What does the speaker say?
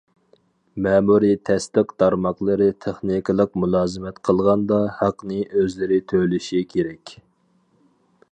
مەمۇرىي تەستىق تارماقلىرى تېخنىكىلىق مۇلازىمەت قىلغاندا ھەقنى ئۆزلىرى تۆلىشى كېرەك.